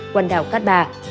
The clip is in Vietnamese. quần đảo cát bà